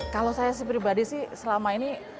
kalau saya sih pribadi sih selama ini